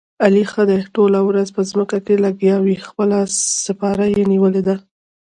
علي ښه دې ټوله ورځ په ځمکه کې لګیاوي، خپله سپاره یې نیولې ده.